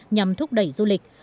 nhằm thúc đẩy du lịch